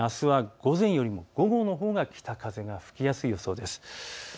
このようにあすは午前よりも午後のほうが北風が吹きやすい予想です。